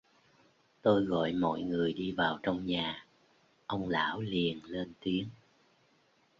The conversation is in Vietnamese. Tôi gọi mọi người đi vào trong nhà, ông lão liền lên tiếng